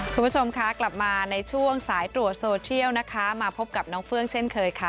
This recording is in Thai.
คุณผู้ชมคะกลับมาในช่วงสายตรวจโซเทียลนะคะมาพบกับน้องเฟื่องเช่นเคยค่ะ